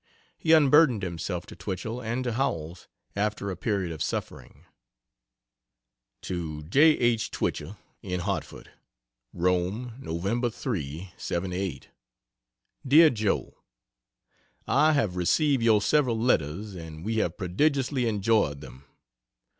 He unburdened himself to Twichell and to Howells, after a period of suffering. To J. H. Twichell, in Hartford: ROME, Nov. 3, '78. DEAR JOE, .....I have received your several letters, and we have prodigiously enjoyed them.